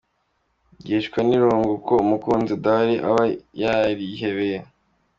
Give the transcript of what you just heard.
yicwa n’irungu kuko umukunzi adahari aba yarihebeye.